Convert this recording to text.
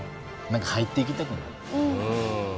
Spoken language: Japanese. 何か入っていきたくなるよね。